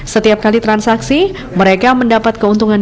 setiap kali transaksi mereka mendapat keuntungan rp dua ratus